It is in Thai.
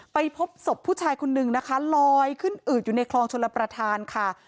ไปพบศพผู้ชายคนนึงนะคะลอยขึ้นอืดอยู่ในคลองชลประธานค่ะ